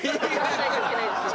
しないといけないでしょ。